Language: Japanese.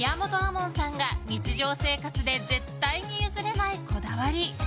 門さんが日常生活で絶対に譲れないこだわり。